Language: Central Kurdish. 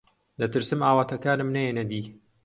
دەترسم ئاواتەکانم نەیەنە دی.